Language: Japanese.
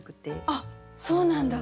あっそうなんだ。